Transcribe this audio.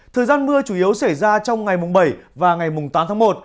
thời gian mưa chủ yếu xảy ra trong ngày mùng bảy và ngày mùng tám tháng một